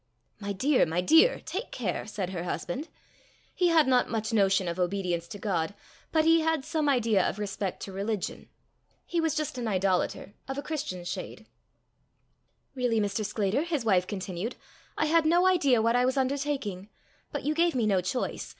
"My dear! my dear! take care," said her husband. He had not much notion of obedience to God, but he had some idea of respect to religion. He was just an idolater of a Christian shade. "Really, Mr. Sclater," his wife continued, "I had no idea what I was undertaking. But you gave me no choice.